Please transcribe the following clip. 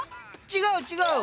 違う違う！